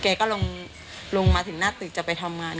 แกก็ลงมาถึงหน้าตึกจะไปทำงาน